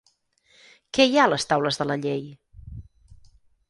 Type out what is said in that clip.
Què hi ha a les Taules de la Llei?